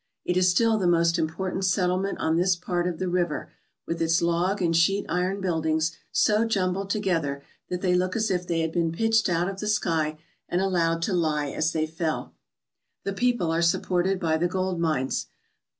It is still the most important settlement on this part of the river, with its log and sheet iron buildings so jumbled together that they look as if they had been pitched out of the sky and allowed to lie as they fell. The people are supported by the gold mines.